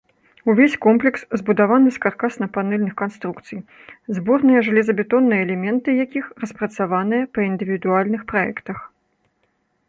Увесь комплекс збудаваны з каркасна-панэльных канструкцый, зборныя жалезабетонныя элементы якіх распрацаваныя па індывідуальных праектах.